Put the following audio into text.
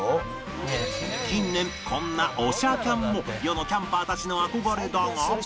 近年こんなおしゃキャンも世のキャンパーたちの憧れだが